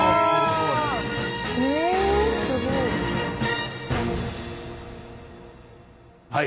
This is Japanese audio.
えすごい。